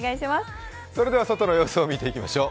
それでは外の様子を見ていきましょう。